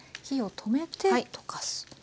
火を止めて溶かす。